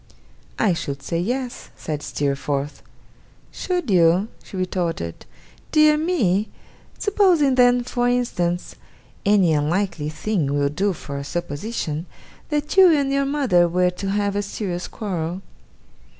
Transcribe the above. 'I should say yes,' said Steerforth. 'Should you?' she retorted. 'Dear me! Supposing then, for instance any unlikely thing will do for a supposition that you and your mother were to have a serious quarrel.